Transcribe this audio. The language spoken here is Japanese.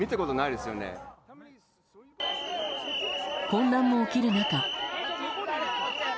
混乱が起きる中。